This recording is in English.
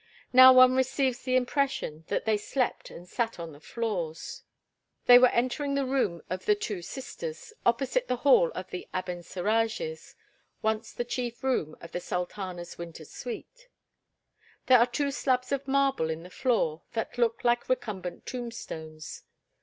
Now one receives the impression that they slept and sat on the floor." They were entering the Room of the two Sisters, opposite the Hall of the Abencerrages, once the chief room of the sultana's winter suite. There are two slabs of marble in the floor that look like recumbent tombstones.